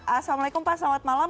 assalamualaikum pak selamat malam